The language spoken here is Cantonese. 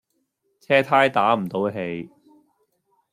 車呔打唔到氣